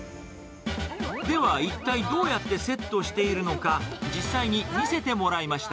では一体、どうやってセットしているのか、実際に見せてもらいました。